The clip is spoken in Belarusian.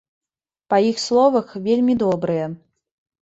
Па іх словах, вельмі добрыя.